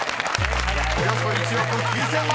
［およそ１億９，０００万本］